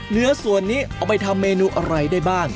เนื้อส่วนนี้เอาไปทำเมนูอะไรได้บ้าง